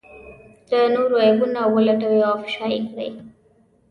د نورو عيبونه ولټوي او افشا کړي.